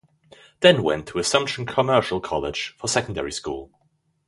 Then went to Assumption Commercial College for Secondary school.